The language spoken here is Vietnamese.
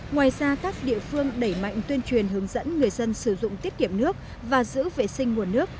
ngoài ra các địa phương đẩy mạnh tuyên truyền hướng dẫn người dân sử dụng tiết kiệm nước và giữ vệ sinh nguồn nước